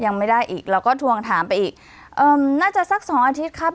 ยังไม่ได้อีกเราก็ทวงถามไปอีกเอ่อน่าจะสักสองอาทิตย์ครับ